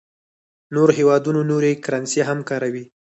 نور هېوادونه نورې کرنسۍ هم کاروي.